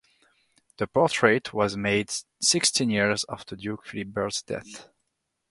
The portrait was made sixteen years after Duke Philibert's death.